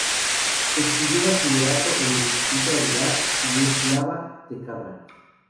Estudió bachillerato en el Instituto Aguilar y Eslava de Cabra.